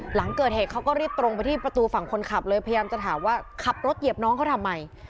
หลังเกิดเหตุเขาก็รีบตรงไปที่ประตูฝั่งคนขับเลยพยายามจะถามว่าขับรถเหยียบน้องเขาทำไม